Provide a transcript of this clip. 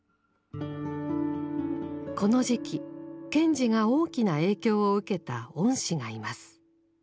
この時期賢治が大きな影響を受けた恩師がいます。